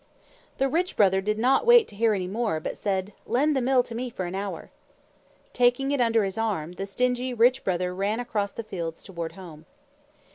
The Rich Brother did not wait to hear any more but said, "Lend the Mill to me for an hour." Taking it under his arm, the stingy Rich Brother ran across the fields toward home.